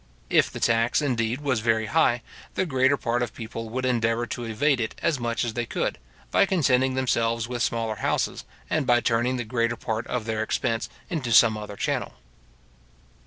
If the tax, indeed, was very high, the greater part of people would endeavour to evade it as much as they could, by contenting themselves with smaller houses, and by turning the greater part of their expense into some other channel.